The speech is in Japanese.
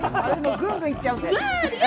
ぐんぐん行っちゃうんで！